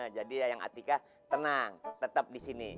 jadi yang atika tenang tetep disini